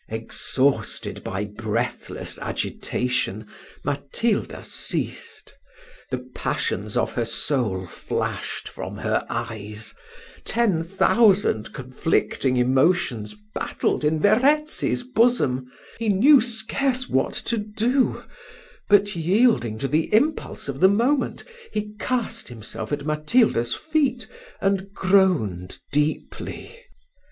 Exhausted by breathless agitation, Matilda ceased: the passions of her soul flashed from her eyes; ten thousand conflicting emotions battled in Verezzi's bosom; he knew scarce what to do; but, yielding to the impulse of the moment, he cast himself at Matilda's feet, and groaned deeply.